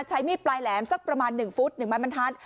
ใช้มีดปลายแหลมสักประมาณหนึ่งฟุตหนึ่งบาทบันทัน